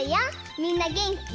みんなげんき？